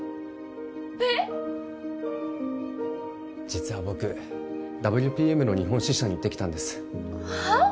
実は僕ＷＰＭの日本支社に行ってきたんですはっ！？